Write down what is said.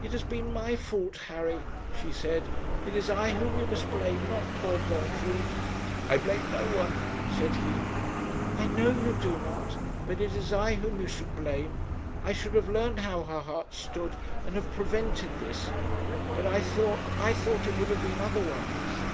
'It has been my fault, Harry,' she said; 'it is I whom you must blame, not poor Gertrude.' 'I blame no one,' said he. 'I know you do not; but it is I whom you should blame. I should have learnt how her heart stood, and have prevented this but I thought, I thought it would have been otherwise.'